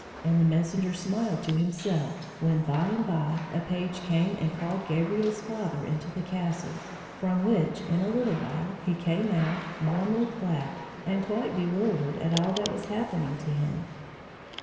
And the messenger smiled to himself when, by and by, a page came and called Gabriel's father into the castle, from which, in a little while, he came out, warmly clad, and quite bewildered at all that was happening to him.